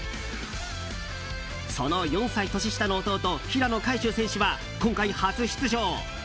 その４歳年下の弟平野海祝選手は今回、初出場。